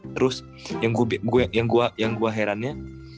terus yang gua herannya